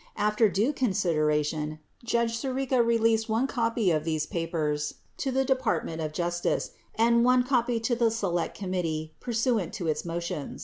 After due consideration, Judge Si rica released one copy of these papers to the Department of Justice and one copy to the Select Committee, pursuant to its motion.